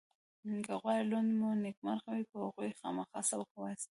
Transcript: که غواړئ لوڼه مو نېکمرغ وي په هغوی خامخا سبق ووایاست